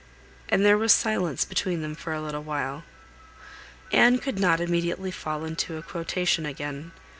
And there was silence between them for a little while. Anne could not immediately fall into a quotation again.